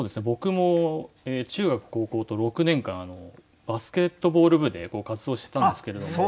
僕も中学高校と６年間バスケットボール部で活動してたんですけれども。